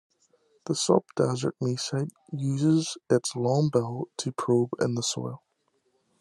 The subdesert mesite uses its long bill to probe in the soil.